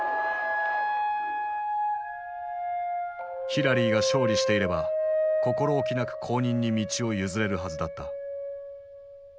ヒラリーが勝利していれば心おきなく後任に道を譲れるはずだった。